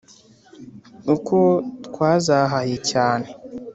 Kuko twazahaye cyane